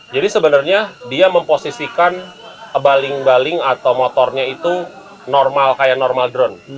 jadi sebenarnya dia memposisikan baling baling atau motornya itu normal kaya normal drone